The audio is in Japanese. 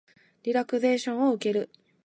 リラクゼーションを受ける